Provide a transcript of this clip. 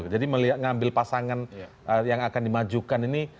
jadi ngambil pasangan yang akan dimajukan ini